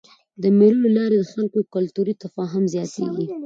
د مېلو له لاري د خلکو کلتوري تفاهم زیاتېږي.